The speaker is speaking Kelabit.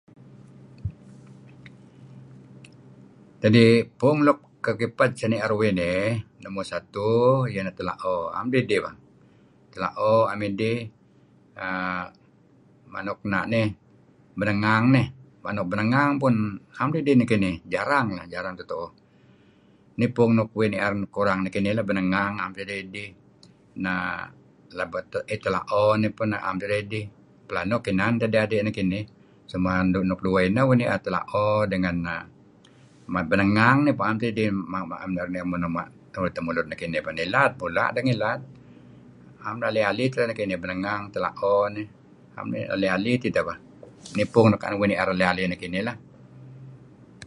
Kadi' puung nuk kekiped seni'er uih nih numur satu iah ineh tela'o. 'am deh idih bah, tela'o am idih err manuk na' nih menengang nih. Manuk menengan pun am idih nekinih jarang inan jarang tu'uh-tu'uh . Nih pung luk uih ni'er kurang nekinih. Menengang am tideh idih err tela'o nih peh na'em tideh idih, pelanuk inan adi'adi' nekinih, Cuma dueh nuk ineh uih ni'er tela'o ngen menengang am tideh temulud nekinih. Nilad mula' deh ngilad. Am ali-ali tideh kinih, menengang, tela'o, ali-ali tideh bah. Nih pung luk uih ni'er ali-ali nekinih lah.